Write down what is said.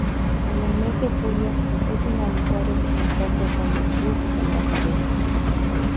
En el mes de julio es finalizado su contrato con el club "embajador".